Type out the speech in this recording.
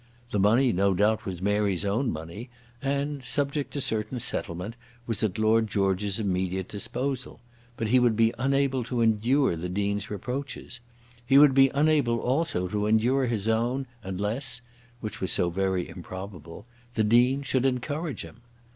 The money no doubt was Mary's own money and, subject to certain settlement, was at Lord George's immediate disposal; but he would be unable to endure the Dean's reproaches. He would be unable also to endure his own, unless which was so very improbable the Dean should encourage him.